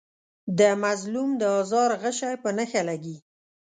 د مظلوم د آزار غشی په نښه لګي.